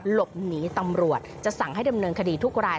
หลบหนีตำรวจจะสั่งให้ดำเนินคดีทุกราย